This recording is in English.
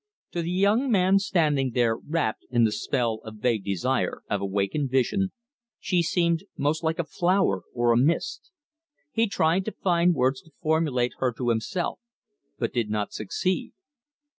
To the young man standing there rapt in the spell of vague desire, of awakened vision, she seemed most like a flower or a mist. He tried to find words to formulate her to himself, but did not succeed.